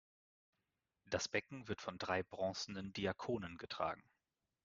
Das Becken wird von drei bronzenen "Diakonen" getragen.